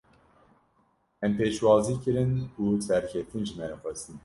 Em pêşwazî kirin û serkeftin ji me re xwestin.